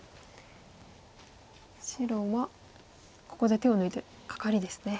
白はここで手を抜いてカカリですね。